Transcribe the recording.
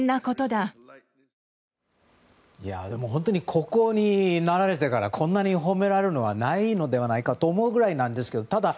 国王になられてからこんなに褒められるのはないのではないかと思うぐらいですけどただ、